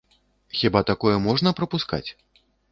Хіба такое можна прапускаць?